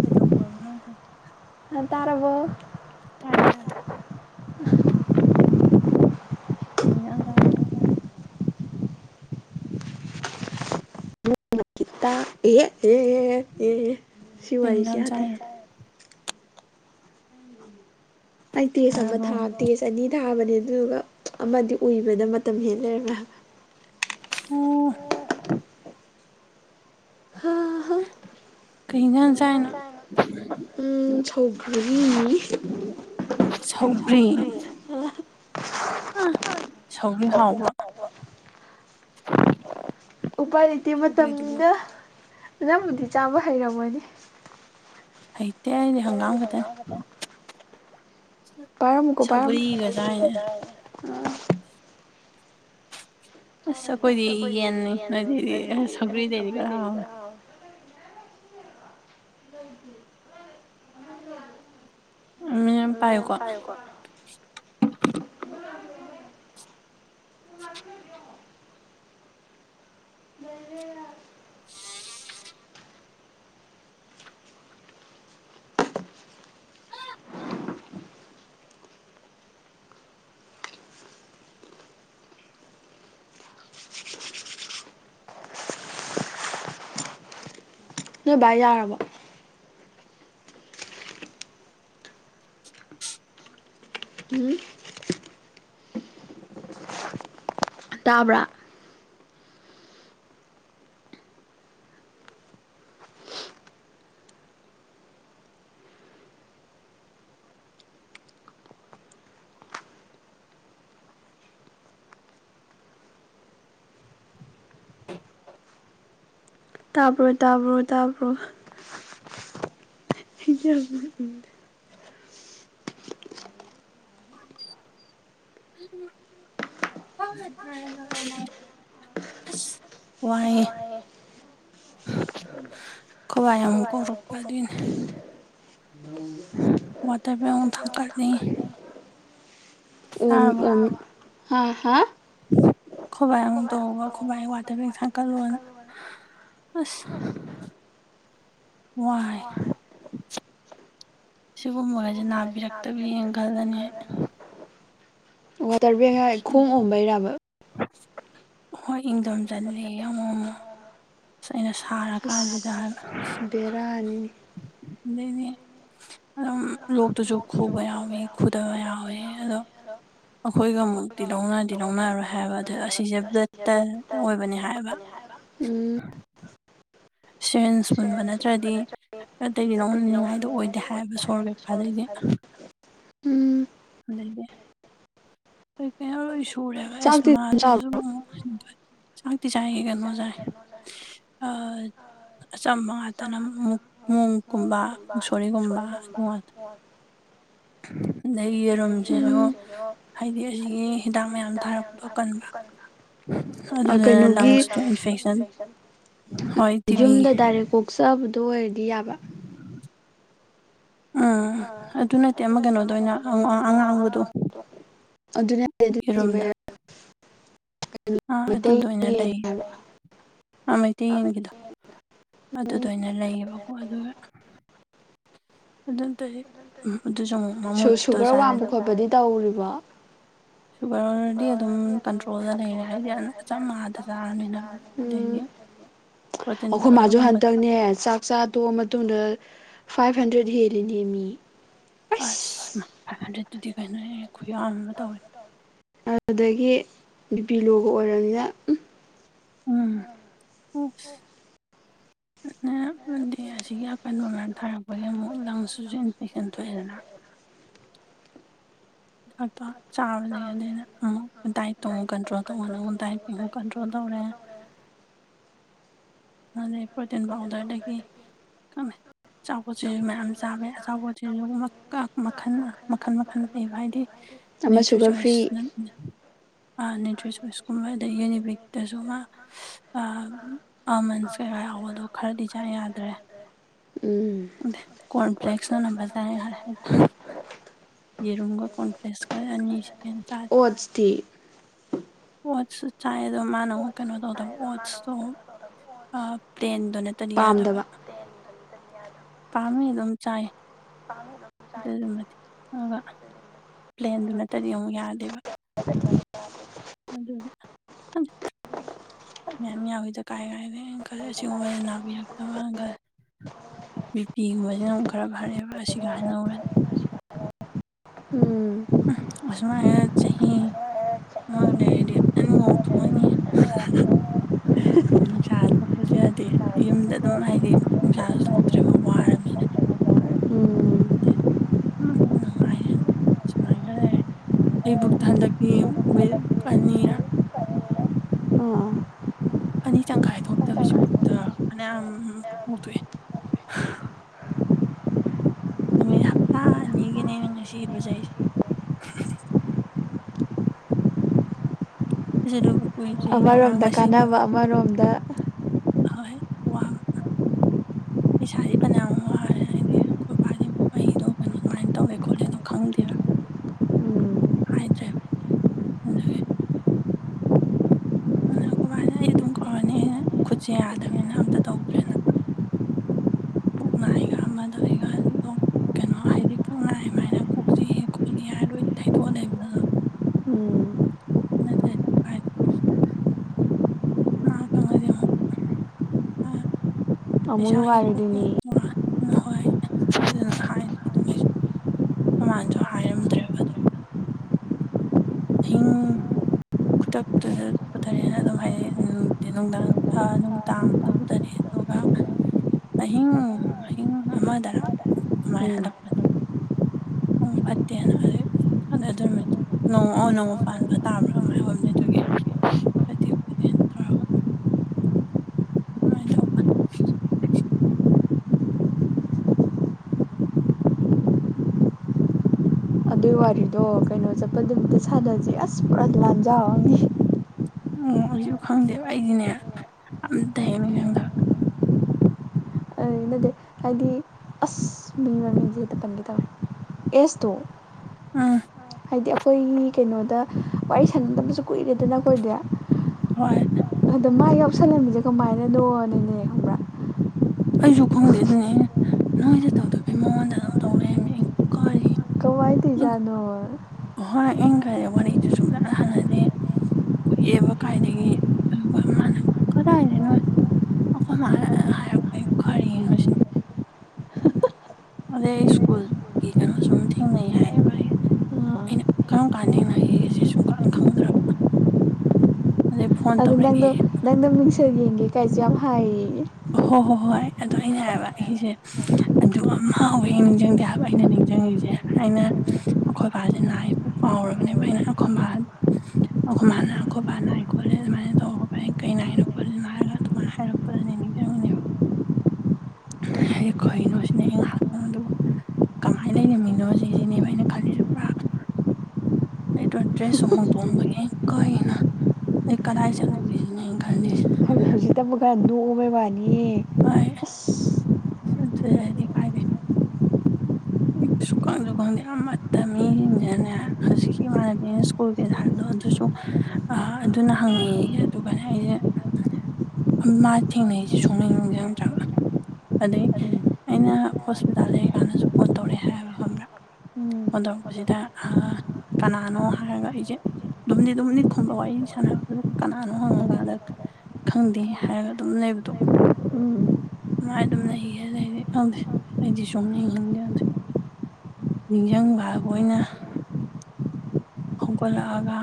ꯀꯩꯗꯧꯕ ꯑꯉꯥꯡꯁꯤꯡ ꯅꯪ ꯇꯥꯔꯕꯣ ꯇꯥꯏꯌꯦ ꯇꯥꯏꯌꯦ [inaudible] ꯀꯩ ꯏꯟꯖꯥꯡ [unintelligible] ꯀꯤꯇꯥ ꯑꯦ ꯑꯦ ꯑꯦ ꯑꯦ ꯑꯦ ꯁꯤ ꯀꯩ ꯋꯥꯔꯤꯖꯦ ꯏꯟꯖꯥꯡ ꯌꯥꯗꯦ ꯆꯥꯏꯅꯣ ꯑꯩ ꯇꯦꯁ ꯑꯃ ꯇꯥꯔꯕꯣ ꯊꯥꯗꯦ ꯆꯅꯤ ꯊꯥ ꯊꯥꯕꯅꯦ ꯑꯗꯨꯗꯨꯒ ꯑꯃꯗꯤ ꯎꯏꯕꯗ ꯃꯇꯝ ꯍꯦꯟ ꯂꯩꯔꯃꯦ ꯍꯥꯏꯕ ꯑꯣ ꯍꯥ ꯍꯥ ꯀꯩ ꯏꯟꯖꯥꯡ ꯆꯥꯏꯅꯣ ꯎꯝ ꯁꯧꯒ꯭ꯔꯤ ꯁꯧꯒ꯭ꯔꯤ [unintelligible] ꯁꯧꯒ꯭ꯔꯤ ꯍꯥꯎꯕ꯭ꯔꯣ ꯎꯄꯥꯏ ꯂꯩꯇꯦ ꯁꯧꯒ꯭ꯔꯤꯗꯨꯕꯨ ꯃꯇꯝꯅꯤꯅ ꯅꯪꯕꯨꯗꯤ ꯆꯥꯕ ꯍꯩꯔꯝꯃꯣꯢꯅꯦ ꯍꯩꯇꯦ ꯑꯩꯗꯤ ꯍꯪꯒꯥꯥꯝ ꯈꯇꯅꯦ ꯄꯥꯢꯔꯝꯃꯨꯀꯣ ꯄꯥꯢꯔꯝꯃꯨ ꯆꯥꯏꯅꯦ [unintelligible] ꯑꯥ ꯊꯥꯎ ꯍꯥꯏꯕꯥ ꯑꯩꯈꯣꯏꯗꯤ ꯑꯁ ꯑꯈꯣꯢꯗꯤ ꯌꯦꯟꯅꯤ ꯌꯦꯟ ꯅꯣꯏꯗꯩꯗꯤ ꯅꯣꯢꯗꯩꯗꯤ ꯁꯧꯒ꯭ꯔꯤꯗꯩꯗꯤ ꯁꯧꯒ꯭ꯔꯤꯗꯒꯤ ꯈꯔ ꯍꯥꯎꯋꯦ ꯑꯃ ꯃꯤꯅꯤꯠ ꯑꯝ ꯄꯥꯏꯌꯨꯀꯣ ꯄꯥꯏꯑꯣꯀꯣ [unintelligible] ꯂꯩꯔꯦꯅꯥ ꯅꯣꯏ ꯕꯥꯢ ꯌꯥꯔꯕꯣ [unintelligible] ꯇꯥꯕ꯭ꯔꯥ ꯇꯥꯕ꯭ꯔꯣ ꯇꯥꯕ꯭ꯔꯣ ꯇꯥꯕ꯭ꯔꯣ [unintelligible] ꯑꯥ [unintelligible] [unintelligible] ꯑꯁ ꯋꯥꯏꯌꯦ ꯑꯩꯈꯣꯏ ꯕꯥꯏ ꯑꯃꯨꯛ ꯀꯧꯔꯛꯄ ꯑꯗꯨꯏꯅꯦ [unintelligible] [unintelligible] ꯋꯥꯇꯔ ꯕꯦꯛ ꯃꯨꯛ ꯊꯥꯡꯀꯠꯂꯤ ꯑꯣꯝ ꯇꯥꯔꯕꯣ ꯑꯣꯝ ꯍꯥ ꯍꯥ [unintelligible] ꯈꯣꯕꯥꯏ ꯑꯃꯨꯛ ꯇꯧ [unintelligible] ꯒ ꯈꯣꯕꯥꯏ ꯋꯥꯇꯔ ꯕꯦꯛ ꯊꯥꯡꯀꯠꯂꯣꯅ ꯑꯁ ꯋꯥꯠ ꯁꯤꯒꯨꯝꯕꯒꯥꯁꯦ ꯅꯥꯕꯤꯔꯛꯇꯕꯤꯅ ꯈꯜꯂꯅꯤ ꯋꯥꯇꯔ ꯕꯦꯛ ꯍꯥꯏ ꯈꯣꯡ ꯑꯣꯝꯕꯩꯔꯥꯕ ꯍꯣꯏ ꯏꯪꯊꯝ ꯆꯜꯂꯦꯌꯦ ꯑꯃꯨ ꯃꯨꯛ ꯁ ꯑꯩꯅ ꯁꯥꯔ ꯀꯥꯟꯁꯤꯗ ꯑꯁ ꯍꯥꯏꯕ ꯕꯦꯔꯥꯅꯤꯅꯦ [unintelligible] ꯅꯦ ꯑꯗꯨꯝ ꯂꯣꯛꯇꯨꯁꯨ ꯈꯨꯕ ꯌꯥꯎꯋꯤ ꯈꯨꯗꯕ ꯌꯥꯎꯋꯤ ꯌꯦ ꯑꯗꯣ ꯑꯈꯣꯏꯒ ꯑꯃꯨꯛꯇꯤ ꯂꯧꯅꯗꯤ ꯂꯧꯅꯔꯔꯣꯏ ꯍꯥꯏꯕ ꯑꯗꯨ ꯑꯁꯤꯁꯦ ꯕꯦꯠ [unintelligible] ꯑꯣꯏꯕꯅꯤ ꯍꯥꯏꯕ ꯎꯝ ꯁꯤꯔꯤꯟꯁ ꯄꯨꯨꯟꯕ ꯅꯠꯇ꯭ꯔꯗꯤ ꯑꯇꯩꯗꯤ ꯂꯧꯅꯅꯤꯡꯉꯥꯏꯗꯣ ꯑꯣꯏꯗꯦ ꯍꯥꯏꯕ ꯁꯣꯔ ꯀꯩꯀꯥꯗꯩꯗꯤ ꯎꯝ ꯑꯗꯩꯗꯤ [unintelligible] ꯀꯩꯅꯣ ꯂꯣꯏ ꯁꯨꯔꯦꯕꯥ ꯆꯥꯛꯇꯤ ꯑꯗꯨꯝ ꯆꯥꯕ꯭ꯔꯣ ꯑꯦꯁꯃꯥꯗꯨꯁꯨ [unintelligible] ꯆꯥꯛꯇꯤ ꯆꯥꯌꯦ ꯀꯩꯅꯣ ꯆꯥꯏ ꯑ ꯑꯆꯝꯕ ꯉꯥꯛꯇꯅ ꯃꯨꯛ ꯃꯣꯡꯀꯨꯝꯕ ꯃꯨꯛꯁꯣꯔꯤꯒꯨꯝꯕ ꯑꯗꯨ ꯉꯥꯛꯇ ꯗꯩ ꯎꯝ ꯌꯦꯔꯨꯝꯁꯤꯁꯨ ꯍꯥꯏꯗꯤ ꯑꯁꯤꯒꯤ ꯍꯤꯗꯥꯛ ꯃꯌꯥꯝ ꯊꯥꯔꯛꯄꯗꯣ ꯀꯟꯕ ꯑ ꯑꯗꯨꯗꯨꯅ ꯀꯩꯅꯣꯒꯤ ꯂꯪꯁꯇꯣ ꯏꯟꯐꯦꯛꯁꯟ ꯍꯣꯏ [unintelligible] ꯇꯤꯕꯤ ꯌꯨꯝꯗ ꯗꯥꯏꯔꯦꯛ ꯀꯣꯛꯆꯕꯗꯣ ꯑꯣꯏꯔꯗꯤ ꯌꯥꯕ [inaudible] ꯎꯝ ꯑꯗꯨ ꯅꯠꯇꯦ ꯑꯃ ꯀꯩꯅꯣꯗ ꯑꯣꯏꯅ [unintelligible] ꯉꯣ ꯑꯃ ꯑꯉꯥꯡꯕꯗꯣ ꯑꯗꯨ ꯅꯠꯇꯦ ꯑꯗꯨ [unintelligible] ꯌꯦꯔꯨꯝꯗ ꯑꯥ ꯑꯗꯨꯗꯣꯑꯣꯏꯅ ꯂꯩꯌꯦꯕ ꯑ ꯃꯩꯇꯩ ꯌꯦꯟꯒꯤꯗꯣ ꯑꯗꯨ ꯗꯨꯑꯣꯏꯅ ꯂꯩꯌꯦꯕꯀꯣ ꯑꯗꯨꯒ ꯑꯗꯨ [unintelligible] ꯍꯦ ꯎꯝ ꯑꯗꯨꯁꯨ ꯑꯃꯨꯛ ꯁꯨ ꯃꯃꯨꯠꯇꯣ ꯁꯨꯒꯔ ꯋꯥꯡꯕ ꯆꯥꯔꯒ ꯈꯣꯠꯄꯗꯤ ꯇꯧꯔꯤꯕꯣ ꯁꯨꯒꯔ ꯗꯤ ꯑꯗꯨꯝ ꯀꯟꯇ꯭ꯔꯣꯜꯗ ꯂꯩꯔꯦ ꯍꯥꯏꯗꯤ ꯑꯆꯝ ꯃꯥꯟꯗ ꯆꯥꯔꯕꯅꯤ ꯑꯗꯩꯗꯤ ꯎꯝ [inaudible] ꯑꯩꯈꯣꯏ ꯃꯥꯁꯨ ꯄꯥꯎꯗꯔꯒꯨꯝꯕꯗ ꯍꯟꯇꯛꯅꯦ ꯆꯥꯛ ꯆꯥ ꯇꯣ ꯃꯇꯨꯡꯗ ꯐꯥꯏꯚ ꯍꯟꯗ꯭ꯔꯦꯗ ꯍꯦꯜꯂꯤꯅꯦ ꯃꯤ ꯑꯁ ꯐꯥꯏꯚ ꯍꯟ꯭ꯔꯦꯠꯗꯤ ꯀꯩꯅꯣꯍꯦ ꯑꯗꯨꯗꯒꯤ ꯕꯤꯄꯤ ꯂꯣꯒ ꯑꯣꯏꯔꯕꯅꯤꯅ ꯎꯝ [unintelligible] [unintelligible] ꯗ ꯑꯁꯤꯒꯤ ꯑꯀꯟꯕ ꯃꯌꯥꯝ ꯊꯥꯔꯛꯄꯒꯤ ꯑꯃꯨꯛ ꯂꯪꯁꯇꯨꯁꯨ ꯏꯟꯐꯦꯛꯁꯟ ꯊꯣꯛꯑꯦꯗꯅ [inaudible] ꯆꯥꯕꯗ ꯑꯗꯩ ꯑꯩꯅ ꯑꯊꯨꯛ ꯗꯥꯏꯠꯇꯣ ꯀꯟꯇ꯭ꯔꯣꯜ ꯇꯧꯑꯣ ꯅ ꯗꯥꯏꯠ ꯑꯃꯨꯛ ꯀꯟꯇ꯭ꯔꯣꯜ ꯇꯧ ꯔꯦ ꯑ ꯄꯣꯏꯇ꯭ꯔꯤꯟ ꯄꯥꯎꯗꯔꯗꯒꯤ ꯀꯃꯦ ꯑꯆꯥꯄꯣꯠꯁꯤꯁꯨ ꯃꯌꯥꯝ ꯆꯥꯕꯩ ꯑꯆꯥꯄꯣꯠꯁꯤꯁꯨ ꯃꯈꯜ ꯃꯈꯜ ꯃꯈꯜ ꯂꯩꯕ ꯍꯥꯏꯗꯤ ꯑꯃ ꯅꯦꯇ꯭ꯔꯤ ꯁꯨꯒꯔ ꯐ꯭ꯔꯤ ꯆꯣꯏꯁ ꯅ ꯅ꯭ꯌꯨꯇ꯭ꯔꯤꯁꯣꯏꯁꯀꯨꯝꯕ ꯑꯗꯩ ꯌꯨꯅꯤꯕꯤꯛꯇꯁꯨ ꯃꯥ ꯑꯥꯜꯃꯟꯁ ꯀꯩꯀꯥ ꯌꯥꯎꯕꯗꯣ ꯈꯔ ꯗꯤ ꯆꯥ ꯌꯥꯗ꯭ꯔꯦ ꯎꯝ ꯑꯗ ꯀꯣꯔꯟꯐ꯭ꯂꯦꯛꯁꯅ [unintelligible] ꯌꯦꯔꯨꯝꯒ ꯀꯣꯟ ꯐ꯭ꯂꯦꯁ ꯀ ꯑꯅꯤꯁꯦ ꯑꯣꯠꯁꯇꯤ ꯑꯣꯠꯁꯁꯨ ꯆꯥꯏ ꯑꯗ ꯃꯥꯅꯃꯨꯛ ꯀꯩꯅꯣ ꯇꯧꯗꯕ ꯑꯣꯠꯁꯇꯣ ꯄ꯭ꯂꯦꯟꯗꯣ ꯅꯠꯇꯗꯤ ꯌꯥꯗꯕ ꯄꯥꯝꯗꯕ ꯄꯥꯝꯃꯤ ꯑꯗꯨꯝ ꯆꯥꯏ ꯑꯗꯨꯗꯨꯃꯗꯤ ꯑꯗꯨꯒ ꯄ꯭ꯂꯦꯟꯗꯨ ꯅꯠꯇꯗꯤ ꯑꯃꯨꯛ ꯌꯥꯗꯦꯕ ꯑꯗꯨ [inaudible] ꯃꯌꯥꯝ ꯌꯥꯎꯏꯗ ꯀꯥꯏ ꯀꯥꯏꯗꯒꯤ ꯈꯜꯂꯦ ꯑꯁꯤꯒꯨꯝꯕꯁꯤ ꯅꯥꯕꯤꯔꯛꯇꯕ ꯈꯜꯂ ꯕꯤꯄꯤꯒꯨꯝꯕꯁꯤꯅ ꯑꯃꯨꯛ ꯈꯔ ꯐꯔꯦꯕ ꯑꯁꯤꯒ ꯍꯥꯏꯅ ꯎꯔꯗꯤ ꯎꯝ ꯎ ꯑꯁꯨꯃꯥꯏꯒ ꯆꯍꯤ ꯑꯃꯒ ꯂꯩꯔꯗꯤ ꯐꯖꯅ ꯉꯧꯊꯣꯛꯑꯅꯤ ꯅꯨꯡꯁꯥ ꯊꯣꯛꯄꯁꯨ ꯌꯥꯗꯤ ꯌꯨꯝꯗ ꯑꯗꯨꯝ ꯍꯥꯏꯗꯤ ꯅꯨꯡꯁꯥꯁꯨ ꯊꯣꯛꯇ꯭ꯔꯦꯕ ꯋꯥꯔꯕꯅꯤꯅ ꯎꯝ ꯑꯗ ꯎꯝꯉꯥꯏꯅꯦ ꯁꯨꯃꯥꯏꯒ ꯑꯩꯕꯨꯛꯇ ꯍꯟꯗꯛꯀꯤ ꯋꯤꯛ ꯑꯅꯤꯔ ꯑꯥ ꯑꯅꯤ ꯇꯪꯈꯥꯏ ꯊꯣꯛꯇꯕꯁꯤꯕꯨꯕꯨꯛꯇ ꯐꯅꯌꯥꯝ ꯉꯧꯊꯣꯛꯑꯦ ꯅꯨꯃꯤꯠ ꯍꯞꯇꯥ ꯑꯅꯤꯒꯤꯅꯦ ꯑꯩꯅ ꯉꯁꯤ ꯏꫪꯨꯖꯁꯦ [unintelligible] ꯉꯔꯥꯡ ꯑꯃꯔꯣꯝꯗ ꯀꯥꯟꯅꯕ ꯉꯁꯤꯗꯨꯅꯦ ꯑꯃꯔꯣꯝꯗ ꯍꯣꯏ ꯋꯥ ꯄꯩꯁꯥꯗꯤ ꯐꯅꯌꯥꯝ ꯋꯥꯔꯦ ꯍꯥꯏꯗꯤ ꯑꯩꯈꯣꯠꯄꯥꯗꯤ ꯑꯩꯗꯣ ꯀꯩꯅꯣ ꯑꯗꯨꯃꯥꯏꯅ ꯇꯧꯋꯦ ꯈꯣꯠꯂꯦꯗꯣ ꯈꯪꯗꯦꯕ ꯎꯝ ꯍꯥꯏꯗꯔꯦ ꯑꯗꯨꯗꯨꯒꯤ ꯑꯗꯨꯀ ꯕꯥꯅꯦ ꯑꯩ ꯑꯗꯨꯝ ꯀꯧꯔꯅꯤ ꯑꯩꯅ ꯈꯨꯠꯁꯦ ꯌꯥꯗꯕꯅꯤꯅ ꯑꯝꯇ ꯇꯧꯗ꯭ꯔꯦꯅ ꯄꯨꯛ ꯅꯥꯏꯒ ꯑꯃꯗꯧ ꯑꯩꯒ ꯂ ꯀꯩꯅꯣ ꯍꯥꯏꯗꯤ ꯄꯨꯛ ꯅꯥꯏꯃꯥꯏꯅ ꯀꯣꯛ ꯆꯦꯛꯏ ꯈꯣꯠꯂꯤ ꯌꯥꯔꯣꯏ ꯊꯩꯗꯣꯛꯑ ꯂꯩꯕꯗꯣ ꯑꯗꯨꯝ ꯑꯗꯨ ꯅꯠꯇ꯭ꯔꯗꯤ ꯎꯄꯥꯏ ꯂꯩꯇꯕ ꯃꯥ ꯈꯪꯉꯗꯤ ꯑꯃꯨꯛ ꯑꯃꯨꯛ ꯄꯩꯁꯥꯒꯤ ꯈꯣꯠꯀꯤ ꯌꯥꯝ ꯅꯨꯡꯉꯥꯏꯔꯤꯗꯨꯅꯤ ꯋꯥ ꯍꯣꯏ ꯑꯗꯨꯗꯅ ꯍꯥꯏꯁꯨ ꯑꯗꯨꯝ ꯑꯩꯁꯨ ꯑꯩꯈꯃꯥꯅꯁꯨ ꯍꯥꯏꯔꯝꯗ꯭ꯔꯦꯕ ꯑꯗꯨꯝ ꯑꯍꯤꯡ ꯈꯨꯗꯛꯇꯨꯗ ꯄꯨꯊꯔꯦꯅ ꯑꯗꯨꯝ ꯍꯥꯏꯗꯤ ꯅꯨꯡꯗꯥꯡ ꯅꯨꯡꯗꯥꯡꯗ ꯄꯨꯊꯔꯦ ꯑꯗꯨꯒ ꯑꯍꯤꯡ ꯑꯍꯤꯡ ꯑꯃꯗꯔꯥ ꯑꯗꯨꯃꯥꯏꯅ ꯎꯝ ꯍꯜꯂꯛꯄꯅꯦ ꯎ ꯐꯠꯇꯦꯅ ꯑꯗꯨ ꯑꯗꯨ ꯅꯨꯃꯤꯠꯇ ꯅꯣꯡ ꯑ ꯅꯣꯡꯃ ꯄꯥꯟꯕ ꯇꯥꯕ꯭ꯔꯥ ꯑꯗꯨꯃꯥꯏꯅ ꯑꯣꯏꯕꯅꯦ ꯑꯗꯨꯒꯤ ꯑꯇꯦꯛꯄ ꯇꯧꯔꯔꯕ ꯃꯣꯏꯗꯣ ꯑꯗꯨꯏ ꯋꯥꯔꯤꯗꯣ ꯀꯩꯅꯣ ꯆꯠꯄ ꯅꯨꯃꯤꯠꯇ ꯁꯥꯟꯅꯁꯦ ꯑꯁ ꯄꯨꯔꯥ ꯂꯥꯟꯖꯥꯎ ꯑꯃꯅꯤ ꯎ ꯑꯩꯁꯨ ꯈꯪꯗꯦꯕ ꯑꯩꯗꯤꯅꯦ ꯑꯝꯇ ꯍꯦꯛ ꯅꯤꯡꯁꯤꯡꯗꯕ ꯑꯗꯨ ꯅꯠꯇꯦ ꯍꯥꯏꯗꯤ ꯑꯁ ꯃꯤ ꯃ ꯃꯤꯁꯦ ꯍꯦꯛꯇ ꯄꯟꯒ ꯇꯕ ꯑꯦꯖꯇꯣ ꯑꯪ ꯍꯥꯏꯗꯤ ꯑꯩꯈꯣꯏꯒꯤ ꯀꯩꯅꯣꯗ ꯋꯥꯔꯤ ꯁꯥꯟꯅꯗꯕꯁꯨ ꯀꯨꯏꯔꯦꯗꯅ ꯑꯩꯈꯣꯏꯗꯤ ꯍꯣꯏ ꯑꯗ ꯃꯥ ꯌꯥꯎꯁꯤꯜ ꯂꯝꯃꯤꯁꯦ ꯀꯃꯥꯏꯅꯗꯣ ꯈꯪꯕ꯭ꯔꯥ ꯑꯩꯁꯨ ꯈꯪꯗꯦ ꯑꯗꯨꯅꯤ ꯑꯩꯅ ꯅꯣꯏꯗ ꯇꯧꯗꯕꯩ ꯃꯉꯣꯟꯗ ꯑꯗꯨꯝ ꯇꯧ ꯂꯩꯛꯔꯝꯃꯦ ꯑꯩ ꯀꯥꯔꯤ ꯀꯃꯥꯏꯅ ꯇꯧꯔꯤꯖꯥꯠꯅꯣ ꯍꯣꯏ ꯏꯪ ꯈ꯭ꯟꯂ ꯋꯥꯔꯤꯁꯨ ꯁꯨꯡꯁꯥꯟ ꯁꯥꯟꯅꯗꯦ ꯀꯨꯏꯑꯕ ꯀꯥꯏꯗꯒꯤ ꯃꯥꯅ ꯀꯗꯥꯏꯗꯅꯣꯏ ꯑꯈꯣꯏ ꯃꯥꯅ ꯍꯥꯏꯔꯛꯄ ꯀꯔꯤꯅꯣ ꯁꯤꯅꯤ ꯑꯗꯦ ꯏꯁ꯭ꯀꯨꯜꯒꯤ ꯀꯩꯅ ꯁꯨꯃꯨꯛ ꯊꯦꯡꯅꯩ ꯍꯥꯏ ꯑꯥ ꯑꯩꯅ ꯀꯔꯝ ꯀꯥꯟꯗ ꯊꯡꯅꯒꯁꯤ ꯑꯩꯁꯦ ꯁꯨꯡ ꯀ ꯈꯪꯗ꯭ꯔꯕ ꯑꯗꯩ ꯐꯣꯟ ꯑꯗ ꯅꯪꯗꯣ ꯇꯧꯔꯛꯑꯦ ꯅꯪꯅ ꯃꯤꯡꯁꯟ ꯌꯦꯡꯒꯦ ꯀꯥꯏꯁꯨ ꯌꯥꯝ ꯍꯥꯏꯌꯦ ꯍꯣꯏ ꯍꯣꯏ ꯍꯣꯏ ꯑꯗꯣ ꯑꯩꯅ ꯍꯥꯏꯕ ꯑꯩꯁꯦ ꯑꯗꯨ ꯑꯃ ꯍꯥꯎ ꯍꯌꯦ ꯅꯤꯡꯁꯤꯡꯗꯦ ꯍꯥꯏ ꯑꯩꯅ ꯅꯤꯡꯁꯤꯡꯉꯁꯦ ꯍꯥꯏꯅ ꯑꯩꯈꯣꯏ ꯕꯥꯁꯦ ꯅꯥꯏ ꯀꯥꯎꯔꯕꯅꯦꯕ ꯑꯩꯅ ꯑꯈꯕꯥ ꯑꯈꯕꯥꯅ ꯑꯈꯣꯕꯥꯅꯥꯏ ꯈꯣꯠꯂꯦ ꯑꯗꯨꯃꯥꯏꯅ ꯇꯧꯏ ꯀ ꯍꯥꯏꯅꯛꯗꯅ ꯍꯥꯏꯔꯒ ꯑꯗꯨꯃꯥꯏꯅ ꯍꯥꯏꯔꯛꯄꯗꯅꯦ ꯅꯤꯡꯁꯤꯉꯦꯕ ꯑꯩ ꯀꯩꯅꯣꯁꯤꯅꯦ ꯑꯩ ꯉꯥꯏꯍꯥꯛꯇꯪ ꯑꯗꯨꯕꯨ ꯀꯃꯥꯏꯅ ꯂꯩꯔꯃꯤꯅꯣ ꯁꯤꯅꯦꯕ ꯍꯥꯏꯅ ꯈꯜꯂꯤꯁꯤꯕ꯭ꯔꯥ ꯑꯩꯗ ꯗꯔꯁꯁꯨ ꯍꯣꯡꯗꯣꯛ ꯑꯝꯕꯒꯤ ꯀꯔꯤꯅꯣ ꯑꯩ ꯀꯗꯥꯏ ꯆꯠꯂꯨꯒꯁꯤ ꯅ ꯈꯜꯂꯤꯁꯤ ꯍꯧꯖꯤꯛꯇꯕꯩ ꯈꯥꯔ ꯅꯣꯛꯑ ꯋꯥꯅꯤ ꯑꯁ ꯉꯥꯟꯊꯣꯏ ꯍꯥꯏꯗꯤ ꯀꯥꯏꯗꯩ ꯎꯝ ꯁꯨꯛꯈꯪꯁꯨ ꯈꯪꯗꯦ ꯌꯥꯝꯠꯇ ꯃꯤꯁꯤꯡꯖꯅꯦ ꯍꯧꯖꯤꯛꯀꯤ ꯏꯃꯥꯟꯅꯕꯤꯅ ꯁ꯭ꯀꯨꯜꯒꯤ ꯍꯥꯏꯕꯗꯣ ꯑꯗꯨꯁꯨ ꯑꯗꯨꯅ ꯍꯪꯉꯦꯌꯦ ꯑꯗꯨꯒꯅꯦ ꯑꯩꯁꯦ ꯃꯥ ꯊꯦꯡꯅꯩꯌꯦꯁꯦ ꯁꯨꯡꯅꯤꯡ ꯅꯤꯡꯁꯤꯡꯗꯔꯕ ꯑꯗꯩ ꯑꯩꯅ ꯍꯣꯁꯄꯤꯇꯥꯜ ꯂꯩꯀꯥꯟꯗꯁꯨ ꯐꯣꯟ ꯇꯧꯔꯛꯑꯦ ꯍꯥꯏꯕ ꯈꯪꯕ꯭ꯔꯥ ꯎꯝ ꯍꯣꯟꯇꯩꯔꯛꯄꯁꯤꯗ ꯀꯅꯥꯅꯣ ꯍꯥꯏꯔꯒ ꯑꯩꯆꯦ ꯑꯗꯨꯝꯗꯤ ꯈꯨꯝꯕ ꯋꯥꯔꯤ ꯁꯨ ꯁꯥꯟꯅꯕꯗꯨ ꯀꯅꯥꯅꯣ ꯍꯪꯉꯀꯥꯟꯗ ꯈꯪꯗꯦ ꯍꯥꯏꯔꯒ ꯑꯗꯨꯝ ꯂꯩꯕꯗꯣ ꯎꯝ [unintelligible] ꯅꯤꯡꯖꯪꯕ ꯍꯥꯕꯨ ꯑꯩꯅ ꯍꯧꯒꯠꯂꯛꯑꯒ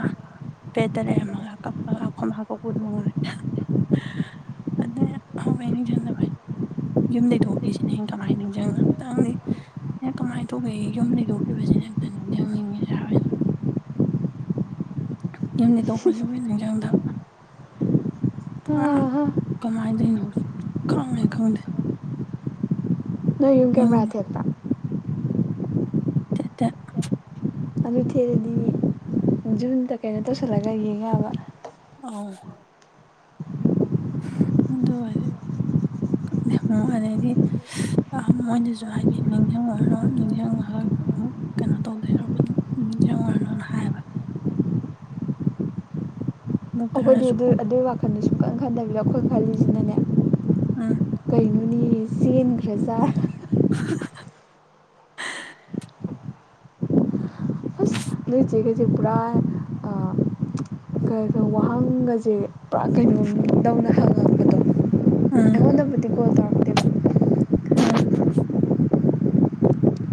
ꯚꯗꯇ ꯂꯩꯔꯝꯃꯒ ꯀꯞꯄꯒ ꯑꯩꯈꯣꯏ ꯃꯥꯒ [inaudible] ꯑꯗꯨ ꯑꯅꯥ ꯍꯧꯕꯩ ꯅꯤꯡꯖꯪꯗꯕꯩꯅꯦ ꯌꯨꯝ ꯂꯩꯊꯣꯛꯈꯤꯁꯤꯅꯦ ꯌꯨꯝ ꯀꯃꯥꯏ ꯅꯤꯡꯖꯪꯅ ꯑꯇꯪꯅꯤ ꯑꯩ ꯀꯃꯥꯏ ꯊꯧꯒ ꯌꯨꯝ ꯂꯩꯈꯤꯕꯁꯤ [unintelligible] ꯌꯨꯝꯗ ꯇꯣꯛꯄꯁꯤꯕꯨ ꯍꯦ ꯅꯤꯡꯖꯪꯗꯕ ꯉꯔꯥꯡ ꯀꯃꯥꯏꯗꯩꯅꯣ ꯁꯨꯈꯪꯍꯦ ꯈꯪꯗꯦ ꯅꯣꯏ ꯌꯨꯝ ꯅꯤꯡ ꯀꯦꯃꯦꯔꯥ ꯊꯦꯠꯄ꯭ꯔꯥ ꯊꯦꯠꯇꯦ ꯑꯗꯨ ꯊꯦꯠꯂꯗꯤ ꯖꯨꯨꯝꯗ ꯀꯩꯅꯣ ꯇꯧꯁꯤꯜꯂꯒ ꯌꯦꯡ ꯌꯥꯕ ꯑꯧ [unintelligible] ꯑꯗꯨ ꯑꯣꯢꯔꯦ [unintelligible] ꯑꯥ ꯃꯣꯏꯗꯁꯨ ꯍꯥꯏꯒꯦ ꯅꯤꯡꯖꯪꯉꯨꯔꯅꯣ ꯅꯤꯖꯪꯂꯒ ꯑꯃꯨꯛ ꯀꯩꯅꯣ ꯇꯧꯗꯣꯢ ꯁꯔꯨꯛꯄꯨꯗꯤ ꯅꯤꯡꯖꯪꯉꯨꯔꯅꯨꯅ ꯍꯥꯏꯕ ꯑꯩꯈꯣꯏꯗꯤ ꯗꯣꯛꯇꯔꯅꯁꯨ ꯑꯗꯨ ꯎꯝ ꯑꯗꯨꯏ ꯋꯥꯈꯜꯗꯨ ꯁꯨ ꯈꯟ ꯈꯟꯗꯕꯤꯗ ꯑꯩꯈꯣꯏ ꯈꯜꯂꯤꯁꯤꯅꯅꯦ ꯎꯝ ꯀꯩꯅꯣ ꯑꯅꯤ ꯆꯦꯟꯈ꯭ꯔꯖꯥꯔ [inaudible] ꯑꯁ ꯅꯣꯏ ꯆꯦꯒꯖꯦ ꯄꯨꯔꯥ ꯑ ꯀꯩꯅꯣ ꯋꯥꯍꯪꯒꯁꯦ ꯄꯨꯔꯥ ꯀꯩꯅꯣꯝ ꯇꯧꯅ ꯍꯪꯉꯛꯄꯗꯣ ꯎꯝ ꯑꯩꯉꯣꯟꯗ ꯕꯨꯗꯤ ꯀꯣꯜ ꯇꯧꯔꯛ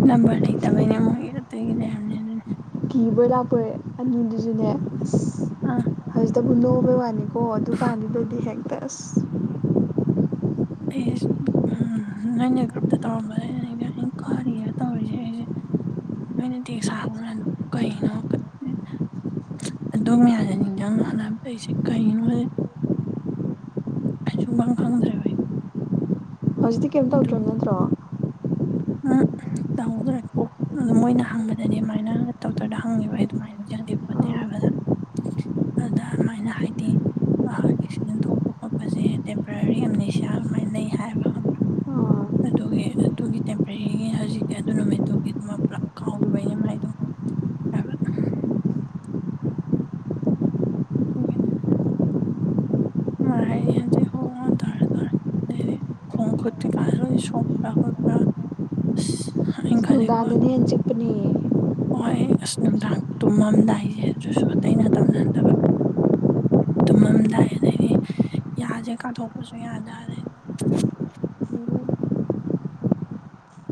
ꯅꯝꯕꯔ ꯂꯩ ꯇꯕꯩꯅꯦ ꯃꯣꯏ ꯒꯤꯗꯣ ꯑꯗꯨꯒꯤꯅꯦ ꯍꯥꯏꯃꯅꯦ ꯑꯗꯨꯅ ꯀꯤꯕꯣꯏ ꯂꯥꯛꯄꯣꯏ ꯑꯅꯤꯗꯨꯁꯨꯅꯦ ꯑꯁ ꯑ ꯍꯧꯖꯤꯛꯇꯕꯨ ꯅꯣꯛꯑꯕ ꯋꯥꯅꯤꯀꯣ ꯑꯗꯨꯀꯥꯟꯗꯨꯗꯗꯤ ꯍꯦꯛꯇ ꯑꯁ ꯑꯩꯁꯦ ꯏꯁ ꯎꯝ ꯅꯣꯏꯅ ꯒ꯭ꯔꯨꯞꯇ ꯇꯧꯔꯝꯕꯗꯣ ꯑꯩꯩꯅ ꯅꯤꯖꯪ ꯀꯥꯔꯤꯅꯣ ꯇꯧꯔꯤꯁꯦ ꯑꯩꯁꯦ ꯅꯣꯢꯅ ꯇꯤ ꯁꯥ ꯍꯪꯕ ꯃꯌꯥꯝꯗꯣ ꯀꯩꯅꯣ [unintelligible] ꯑꯗꯨ ꯃꯌꯥꯝꯗꯣꯅꯤꯡꯖꯪ ꯍꯣꯠꯅꯕꯗ ꯑꯩꯁꯦ ꯀꯩꯅꯣꯌꯦ ꯑꯩꯁꯨ ꯃꯔꯣꯜ ꯈꯪꯗ꯭ꯔꯦꯕ ꯑꯩ ꯍꯧꯖꯤꯛꯇꯤ ꯀꯩꯝ ꯇꯧꯗ꯭ꯔꯥꯕ ꯅꯠꯇ꯭ꯔꯣ [unintelligible] ꯇꯧꯍꯧꯗ꯭ꯔꯦ ꯀꯣ ꯑꯗꯨ ꯃꯣꯏꯅ ꯍꯪꯕꯗꯗꯤ ꯑꯃꯥꯏꯅ ꯗꯣꯛꯇꯔꯗ ꯍꯪꯉꯦꯕ ꯑꯩ ꯑꯗꯨꯃꯥꯏꯅ ꯌꯥꯗꯦ ꯈꯣꯠꯇꯦ ꯍꯥꯏꯕ [unintelligible] ꯑꯗꯥ ꯑꯃꯥꯏꯅ ꯍꯥꯏꯗꯤ ꯑ ꯑꯦꯛꯁꯤꯗꯦꯟ ꯊꯣꯛꯄ ꯈꯣꯠꯄꯁꯦ ꯇꯦꯝꯄꯔꯔꯤ ꯑꯦꯝꯅꯤꯁꯤꯌꯥ ꯑꯃꯥꯏꯅ ꯂꯩ ꯍꯥꯏꯕ ꯈꯪꯕ꯭ꯔꯥ ꯑꯥ ꯑꯗꯨꯒꯤ ꯑꯗꯨꯒꯤ ꯇꯦꯝꯄꯔꯦꯔꯤꯒꯤ ꯍꯧꯖꯤꯛꯀꯤ ꯑꯗꯨꯅ ꯃꯦꯇꯣꯄꯅꯤ ꯃꯥ ꯄꯨꯔꯥꯀꯥꯎꯒꯤꯕꯩꯅꯦꯃꯥꯢꯗꯣ [unintelligible] [inaudible] ꯃꯥ ꯍꯥꯏꯔꯤ ꯍꯧꯖꯤꯛ ꯍꯣ ꯍꯣ ꯇꯧꯔꯦ ꯇꯧꯔꯦ ꯑꯗꯩꯗꯤ ꯈꯣꯡ ꯈꯨꯠ ꯀꯩꯀꯥꯁꯦ ꯂꯣꯏ ꯁꯣꯛꯄ꯭ꯔꯥ ꯈꯣꯠꯄ꯭ꯔꯥ ꯑꯁ ꯑꯩꯅ ꯈꯜꯂꯤꯀꯣ ꯅꯨꯡꯗꯥꯡꯗꯅ ꯍꯦꯟꯅ ꯆꯤꯛꯄꯅꯦ ꯍꯣꯏ ꯑꯁ ꯅꯨꯡꯗꯥꯡ ꯇꯨꯝꯃꯝꯗꯥꯏꯁꯦ ꯑꯗꯨꯁꯨ ꯑꯇꯩ ꯃꯇꯝꯗ ꯅꯠꯇꯕ ꯇꯨꯝꯃꯝꯗꯥꯏ ꯑꯗꯩꯗꯤ ꯌꯥꯁꯦ ꯀꯥꯊꯣꯛꯄꯁꯨ ꯌꯥꯗꯥ ꯑꯗꯩꯗꯤ [inaudible]